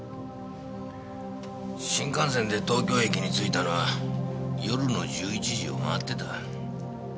新幹線で東京駅に着いたのは夜の１１時を回ってた。